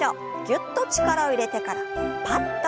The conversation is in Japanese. ぎゅっと力を入れてからパッと。